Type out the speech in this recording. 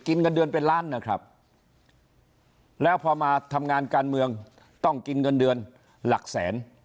เงินเดือนเป็นล้านนะครับแล้วพอมาทำงานการเมืองต้องกินเงินเดือนหลักแสน